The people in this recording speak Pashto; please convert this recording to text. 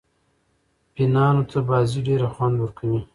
فېنانو ته بازي ډېره خوند ورکوي.